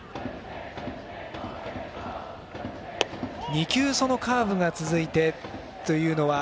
２球、そのカーブが続いてというのは？